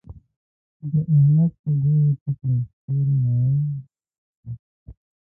د احمد په ګور يې تو کړی، توری ناړی د يڼکيو